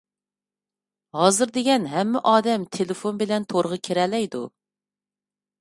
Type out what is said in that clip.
ھازىر دېگەن ھەممە ئادەم تېلېفون بىلەن تورغا كىرەلەيدۇ.